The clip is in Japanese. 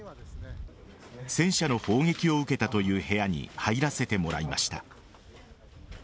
戦車の砲撃を受けたという部屋に入らせてもらいました。